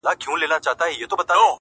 زړه چي په لاسونو کي راونغاړه,